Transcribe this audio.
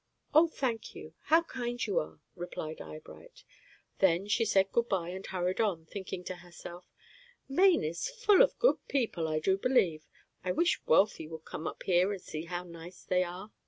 "Oh, thank you. How kind you are!" replied Eyebright. Then she said good by and hurried on, thinking to herself, "Maine is full of good people, I do believe. I wish Wealthy could come up here and see how nice they are."